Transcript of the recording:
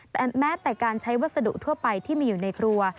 แต่แม้แต่การใช้วัสดุทั่วไปที่มีอยู่ในครัว